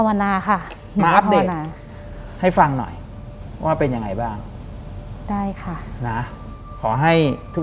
หลังจากนั้นเราไม่ได้คุยกันนะคะเดินเข้าบ้านอืม